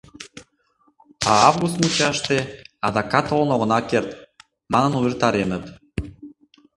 А август мучаште «Адакат толын огына керт», манын увертареныт.